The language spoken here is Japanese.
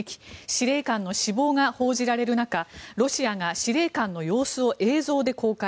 司令官の死亡が報じられる中ロシアが司令官の様子を映像で公開。